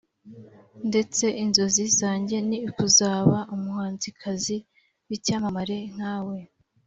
ndetse inzozi zange ni ukuzaba umuhanzikazi w’icyamamare nkawe